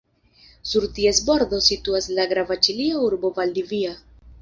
Sur ties bordo situas la grava ĉilia urbo Valdivia.